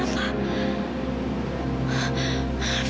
bu ambar kenapa